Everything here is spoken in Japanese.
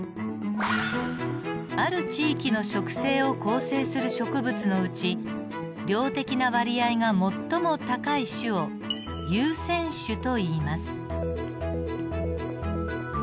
ある地域の植生を構成する植物のうち量的な割合が最も高い種を優占種といいます。